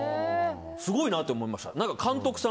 すごいなと思いました。